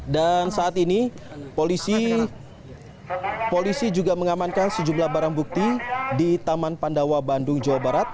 dan saat ini polisi juga mengamankan sejumlah barang bukti di taman pandawa bandung jawa barat